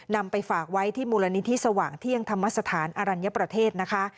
ไปฝากไว้ที่มูลนิธิสว่างเที่ยงธรรมสถานอรัญญประเทศนะคะ